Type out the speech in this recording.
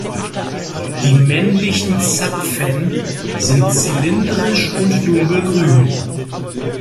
Die männlichen Zapfen sind zylindrisch und dunkelgrün.